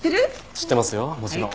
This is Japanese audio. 知ってますよもちろん。